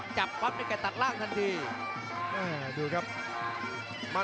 ประเภทมัยยังอย่างปักส่วนขวา